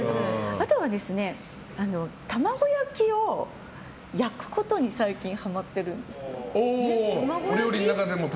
あとは、卵焼きを焼くことに最近ハマってるんですよ。